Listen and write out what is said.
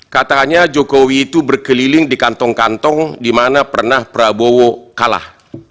katanya jokowi itu berkeliling di kantong kantong di mana pernah prabowo kalah